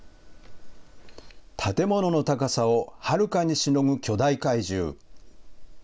建物の高さをはるかにしのぐ巨大怪獣。